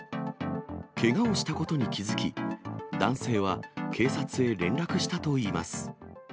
けがをしたことに気付き、男性は警察へ連絡したといいます。